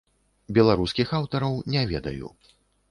Беларускіх аўтараў не ведаю.